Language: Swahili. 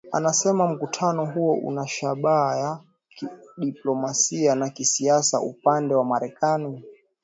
anasema mkutano huo una shabaa ya kidiplomasia na kisiasa upande wa Marekani